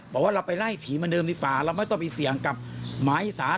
บอกว่าเราไปไล่ผีมนุษย์ในฝาเราไม่ต้องไปเสี่ยงกับหมายศาล